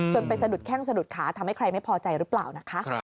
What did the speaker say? ไปสะดุดแข้งสะดุดขาทำให้ใครไม่พอใจหรือเปล่านะคะ